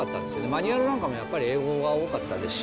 マニュアルなんかもやっぱり英語が多かったですし。